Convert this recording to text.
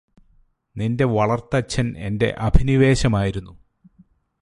നിന്റെ വളര്ത്തച്ഛന് എന്റെ അഭിനിവേശമായിരുന്നു